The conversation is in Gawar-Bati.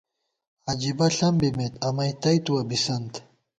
عاجِبہ ݪم بِمېت، امئ تئیتُوَہ بِسَنت